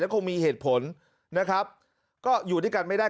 คงมีเหตุผลนะครับก็อยู่ด้วยกันไม่ได้